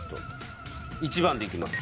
１番でいきます。